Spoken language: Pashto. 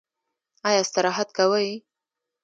ایا استراحت کوئ؟